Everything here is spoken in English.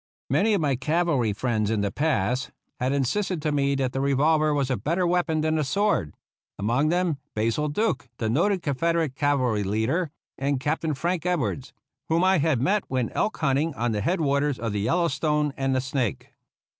Many of my cavalry friends in the past had insisted to me that the revolver was a better weapon than the sword — among them Basil Duke, the noted Con federate cavalry leader, and Captain Frank Ed wards, whom I had met when elk hunting on the head waters of the Yellowstone and the Snake.